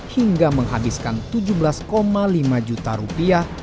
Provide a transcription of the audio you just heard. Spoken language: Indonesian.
hingga menghabiskan tujuh belas lima juta rupiah